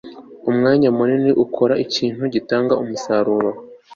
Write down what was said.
umwanya munini ukora ikintu gitanga umusaruro